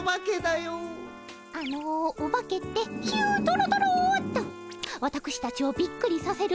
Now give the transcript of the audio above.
あのオバケってヒュドロドロっとわたくしたちをビックリさせる